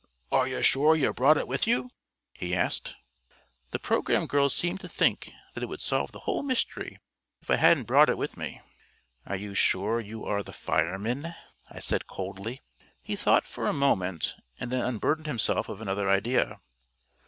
"Are you sure you brought it with you?" he asked. The programme girls seemed to think that it would solve the whole mystery if I hadn't brought it with me. "Are you sure you are the fireman?" I said coldly. He thought for a moment, and then unburdened himself of another idea.